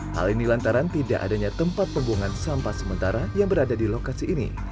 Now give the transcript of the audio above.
hal ini lantaran tidak adanya tempat pembuangan sampah sementara yang berada di lokasi ini